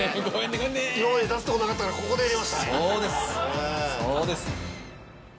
出すとこなかったからここで入れましたね。